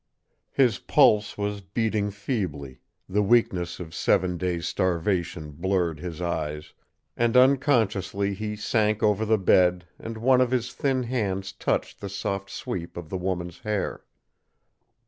His pulse was beating feebly, the weakness of seven days' starvation blurred his eyes, and unconsciously he sank over the bed and one of his thin hands touched the soft sweep of the woman's hair.